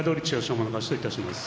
馬の勝ちといたします。